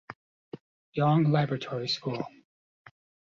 Yonge Laboratory School.